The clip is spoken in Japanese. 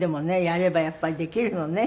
やればやっぱりできるのね。